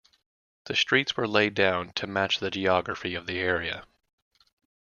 The streets were laid down to match the geography of the area.